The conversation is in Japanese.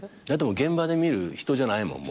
現場で見る人じゃないもん。